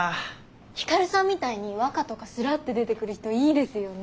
光さんみたいに和歌とかスラッと出てくる人いいですよね。